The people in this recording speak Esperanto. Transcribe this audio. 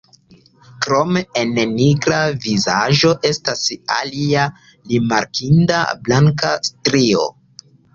Krome en nigra vizaĝo estas alia rimarkinda blanka strio.